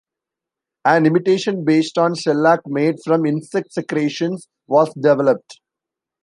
An imitation based on shellac made from insect secretions was developed.